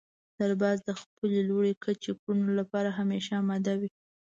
سرباز د خپلې لوړې کچې کړنو لپاره همېشه اماده وي.